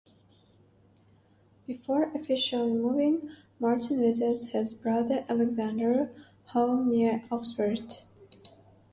Before officially moving, Martin visits his brother Alexander's home near Oxford.